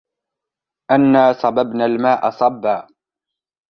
أنا صببنا الماء صبا